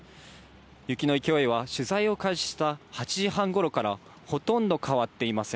雪の勢いは取材を開始した８時半頃からほとんど変わっていません。